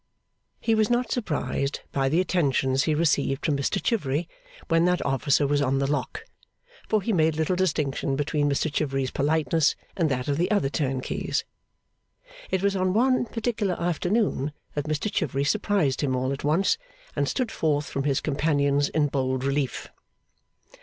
He was not surprised by the attentions he received from Mr Chivery when that officer was on the lock, for he made little distinction between Mr Chivery's politeness and that of the other turnkeys. It was on one particular afternoon that Mr Chivery surprised him all at once, and stood forth from his companions in bold relief.